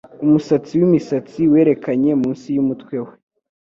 Umusatsi wimisatsi werekanye munsi yumutwe we